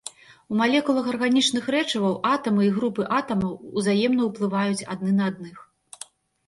У малекулах арганічных рэчываў атамы і групы атамаў узаемна ўплываюць адны на адных.